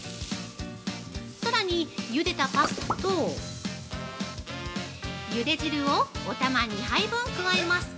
さらに、ゆでたパスタとゆで汁をお玉２杯分加えます。